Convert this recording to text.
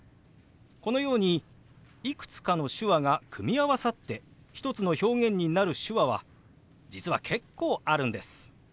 このようにいくつかの手話が組み合わさって一つの表現になる手話は実は結構あるんです。